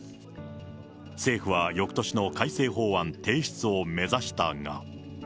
政府はよくとしの改正法案提出を目指したが。